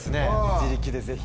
自力でぜひ。